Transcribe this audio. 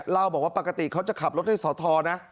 เล่าบอกว่าปกติเขาจะขับรถให้สอทรนะ